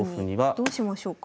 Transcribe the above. どうしましょうか？